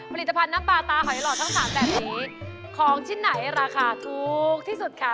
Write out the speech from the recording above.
ผลิตภัณฑ์น้ำปลาตาหอยหล่อทั้งสามแบบนี้ของชิ้นไหนราคาถูกที่สุดค่ะ